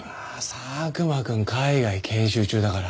佐久間くん海外研修中だから。